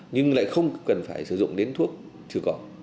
nhưng lại không cần phải sử dụng đến thuốc trừ cỏ